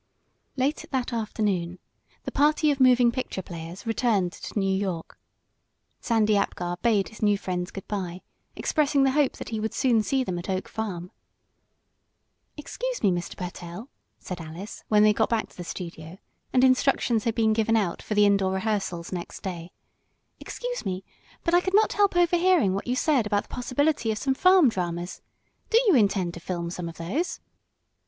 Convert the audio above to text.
Late that afternoon the party of moving picture players returned to New York. Sandy Apgar bade his new friends good bye, expressing the hope that he would soon see them at Oak Farm. "Excuse me, Mr. Pertell," said Alice, when they got back to the studio, and instructions had been given out for the indoor rehearsals next day, "excuse me, but I could not help overhearing what you said about the possibility of some farm dramas. Do you intend to film some of those?"